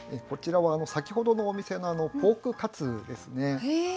こちらは先ほどのお店のポークカツですね。